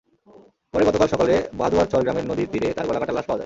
পরে গতকাল সকালে বাদুয়ারচর গ্রামের নদীর তীরে তাঁর গলাকাটা লাশ পাওয়া যায়।